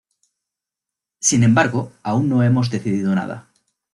Sin embargo, aún no hemos decidido nada.